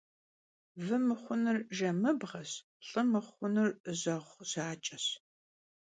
Vı mıxhunur jjemıbjeş, lh'ı mıxhunur jeğu jaç'eş.